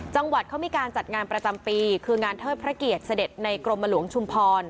จังหวัดเขามีการจัดงานประจำปีคืองานเทิดพระเกียรติเสด็จในกรมหลวงชุมพร